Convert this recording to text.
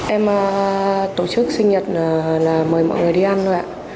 em tổ chức sinh nhật là mời mọi người đi ăn rồi ạ